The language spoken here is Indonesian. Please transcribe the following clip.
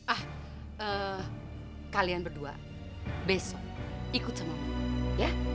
ah kalian berdua besok ikut sama mama ya